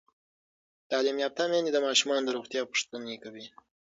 تعلیم یافته میندې د ماشومانو د روغتیا پوښتنې کوي.